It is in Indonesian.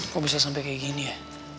kok bisa sampai kayak gini ya